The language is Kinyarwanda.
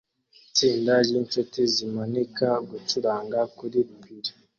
Itsinda ryinshuti zimanika gucuranga kuri pir